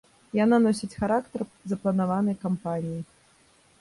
Яна носіць характар запланаванай кампаніі.